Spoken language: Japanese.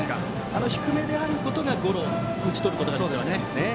低めであることでゴロに打ち取ることができると。